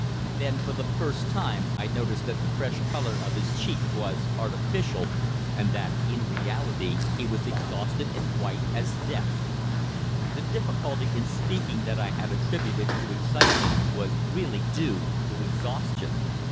Then for the first time I noticed that the fresh colour of his cheeks was artificial, and that in reality he was exhausted and white as death. The difficulty in speaking that I had attributed to excitement was really due to exhaustion.